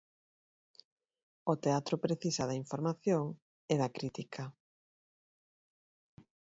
O teatro precisa da información e da crítica.